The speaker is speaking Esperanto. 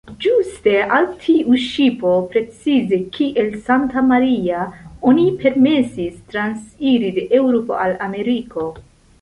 Ĝuste al tiu ŝipo, precize kiel "Santa-Maria", oni permesis transiri de Eŭropo al Ameriko.